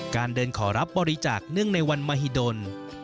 การเดินขอรับบริจาคเนื่องในวันมหิดล